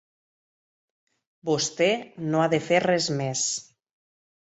Vostè no ha de fer res més.